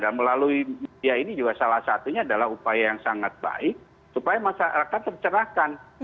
melalui media ini juga salah satunya adalah upaya yang sangat baik supaya masyarakat tercerahkan